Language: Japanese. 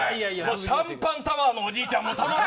シャンパンタワーのおじいちゃん